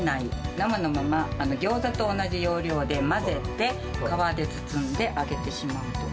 生のまま、ギョーザと同じ要領で、混ぜて、皮で包んで揚げてしまうと。